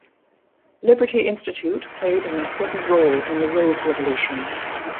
Liberty Institute played an important role in the Rose Revolution.